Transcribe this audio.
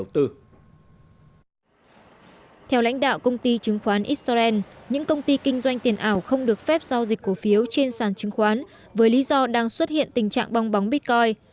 theo lãnh đạo công ty chứng khoán israel những công ty kinh doanh tiền ảo không được phép giao dịch cổ phiếu trên sàn chứng khoán với lý do đang xuất hiện tình trạng bong bóng bitcoin